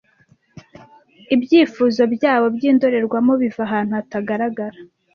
ibyifuzo byabo byindorerwamo biva ahantu hatagaragara.